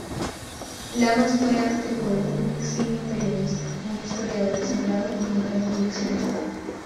Lamas fue ante todo un eximio periodista, un historiador esmerado y un gran coleccionista.